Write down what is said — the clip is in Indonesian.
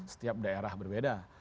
setiap daerah berbeda